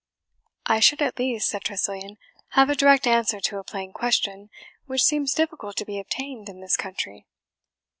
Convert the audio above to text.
"I should at least," said Tressilian, "have a direct answer to a plain question, which seems difficult to be obtained in this country."